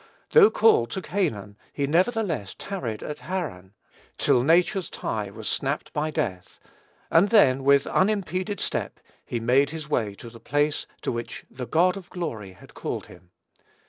Though called to Canaan, he, nevertheless, tarried at Haran, till nature's tie was snapped by death, and then, with unimpeded step, he made his way to the place to which "the God of glory" had called him.